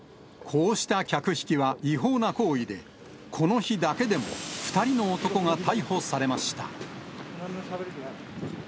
こうした客引きは違法な行為で、この日だけでも２人の男が逮捕されました。